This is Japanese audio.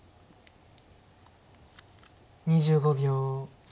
２５秒。